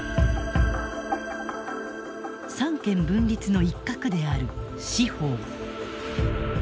三権分立の一角である司法。